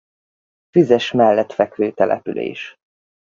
Füzes mellett fekvő település.